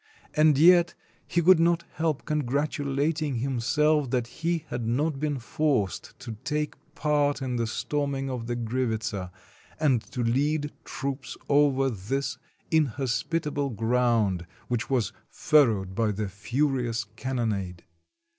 And yet 221 RUSSIA he could not help congratulatmg himself that he had not been forced to take part in the storming of the Grivitsa, and to lead troops over this inhospitable ground which was furrowed by the furious cannonade.